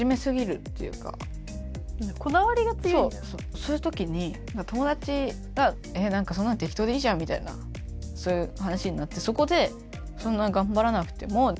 そういう時に友達が「え何かそんなのテキトーでいいじゃん」みたいな。そういう話になってそこでそんな頑張らなくてもあ